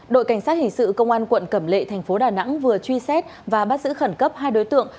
đội cảnh sát hình sự công an quận cẩm lệ thành phố đà nẵng vừa truy xét và bắt giữ khẩn cấp hai đối tượng